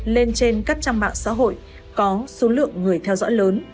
lên trên các trang mạng xã hội có số lượng người theo dõi lớn